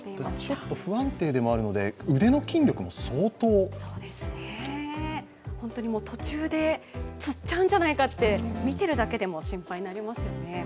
ちょっと不安定でもあるので、腕の筋力も相当途中でつっちゃうんじゃないかと見てるだけでも心配になりますよね。